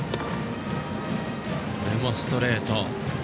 これもストレート。